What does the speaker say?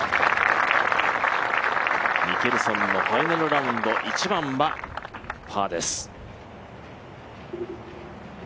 ミケルソンのファイナルラウンド、１番はパーです。